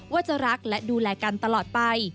ว่าจะรักและดูแลกันตลอดไป